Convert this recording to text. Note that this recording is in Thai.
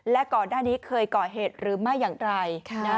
และก่อนหน้านี้เคยก่อเหตุหรือไม่อย่างไร